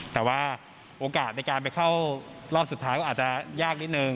แต่ว่าโอกาสในการไปเข้ารอบสุดท้ายก็อาจจะยากนิดนึง